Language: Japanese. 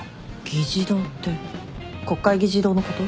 議事堂って国会議事堂のこと？